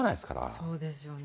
そうですよね。